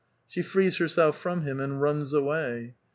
She frees herself from him, and runs away.